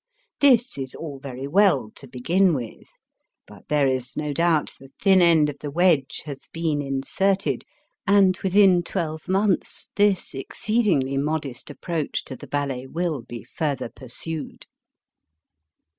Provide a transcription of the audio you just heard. This is all very well to begin with. But there is no doubt the thin end of the wedge has been inserted, and within twelve months this exceedingly modest approach to the ballet will be further pursued.